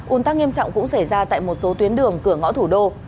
un tắc nghiêm trọng cũng xảy ra tại một số tuyến đường cửa ngõ thủ đô